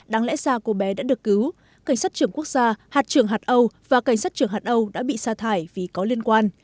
đáng lẽ ra cô bé đã được cứu cảnh sát trưởng quốc gia hạt trưởng hạt âu và cảnh sát trưởng hạt âu đã bị sa thải vì có liên quan